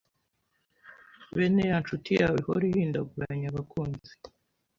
Bene ya nshuti yawe ihora ihindaguranganya abakunzi